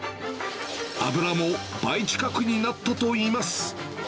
油も倍近くになったといいます。